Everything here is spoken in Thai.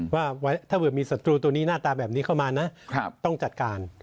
ว่าถ้าเกิดมีศัตรูตัวนี้หน้าตาแบบนี้เข้ามานะต้องจัดการ